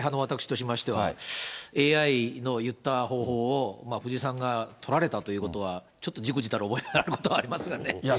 個人的には反ＡＩ派の私としましては、ＡＩの言った方法を藤井さんが取られたということは、ちょっとじくじたる思いがあることはありますね。